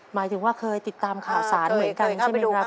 หมายถึงว่าเคยติดตามข่าวสารเหมือนกันใช่ไหมครับ